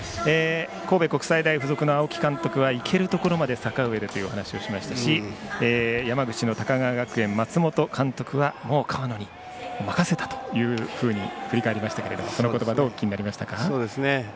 神戸国際大付属の青木監督はいけるところまで阪上というお話でしたし山口・高川学園の松本監督はもう河野に任せたと振り返りましたがその言葉どうお聞きになりましたか？